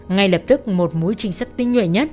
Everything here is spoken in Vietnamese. ngay lập tức một múi trình sắc tinh nhuệ nhất